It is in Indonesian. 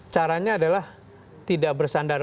caranya adalah tidak bersandar